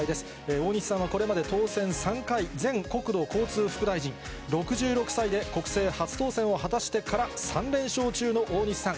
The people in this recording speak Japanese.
大西さんはこれまで当選３回、前国土交通副大臣、６６歳で国政初当選を果たしてから３連勝中の大西さん。